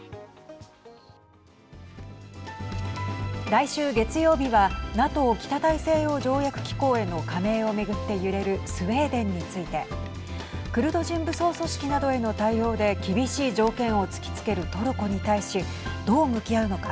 来週、月曜日はＮＡＴＯ＝北大西洋条約機構への加盟を巡って揺れるスウェーデンについて。クルド人武装組織などへの対応で厳しい条件を突きつけるトルコに対しどう向き合うのか。